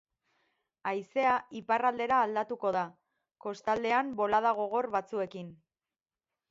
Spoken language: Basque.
Haizea iparraldera aldatuko da, kostaldean bolada gogor batzuekin.